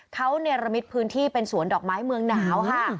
เขาเนรมิตพื้นที่เป็นสวนดอกไม้เมืองหนาวค่ะ